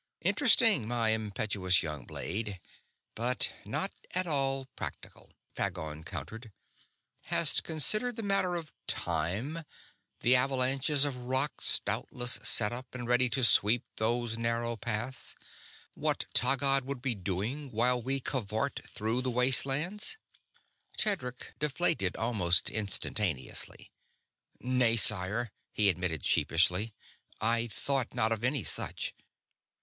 "Interesting, my impetuous youngblade, but not at all practical," Phagon countered. "Hast considered the matter of time the avalanches of rocks doubtless set up and ready to sweep those narrow paths what Taggad would be doing while we cavort through the wastelands?" Tedric deflated almost instantaneously. "Nay, sire," he admitted sheepishly. "I thought not of any such."